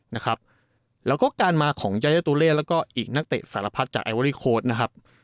นะครับแล้วก็การมาของแล้วก็อีกนักเตะสารพัดจากนะครับ